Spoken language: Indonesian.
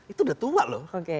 itu udah tua loh